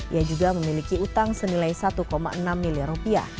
ia juga memiliki utang senilai rp satu enam miliar